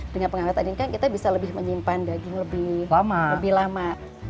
dengan pengawetan ini kan kita bisa lebih menyimpan daging lebih lama